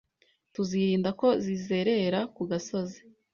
tuzirinda ko zizerera ku gasozi,